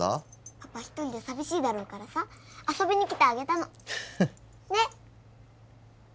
パパ一人で寂しいだろうからさ遊びにきてあげたのねっ？